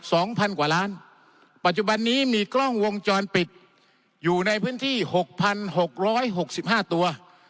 สองพันกว่าล้านปัจจุบันนี้มีกล้องวงจรปิดอยู่ในพื้นที่๖๖๖๕ตัว